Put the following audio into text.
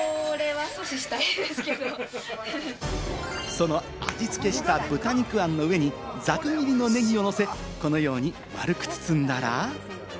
その味付けした豚肉餡の上にざく切りのネギをのせ、このように丸く包んだら。